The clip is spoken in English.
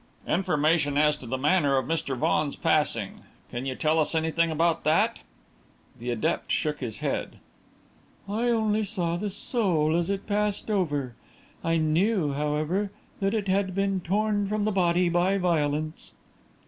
"Information as to the manner of Mr. Vaughan's passing can you tell us anything of that?" The adept shook his head. "I only saw the soul as it passed over. I knew, however, that it had been torn from the body by violence."